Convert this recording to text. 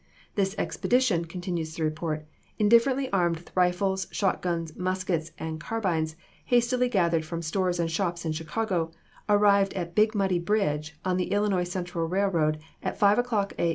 "This expedition," continues the report, "indifferently armed with rifles, shot guns, muskets, and carbines, hastily gathered from stores and shops in Chicago, arrived at Big Muddy Bridge on the Illinois Central Railroad at five o'clock A.